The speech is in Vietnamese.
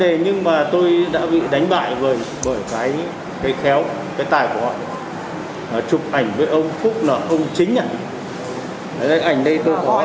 ảnh đây tôi có ở đây